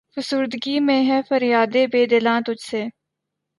فسردگی میں ہے فریادِ بے دلاں تجھ سے